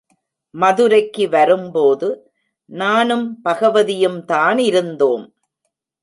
மதுரைக்கு வரும்போது நானும் பகவதியும் தானிருந்தோம்.